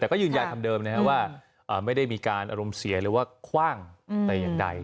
แต่ก็ยืนยันคำเดิมนะครับว่าไม่ได้มีการอารมณ์เสียหรือว่าคว่างแต่อย่างใด